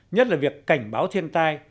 nhất là việc cảnh báo thiên tai